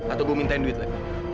atau gua minta duit lagi